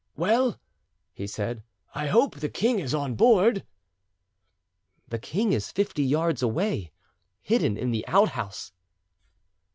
"Well," he said, "I hope the king is on board?" "The king is fifty yards away, hidden in the outhouse."